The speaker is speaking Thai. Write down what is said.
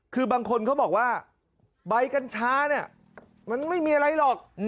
คือบางคนเขาบอกว่าใบกัญชาเนี่ยมันไม่มีอะไรหรอก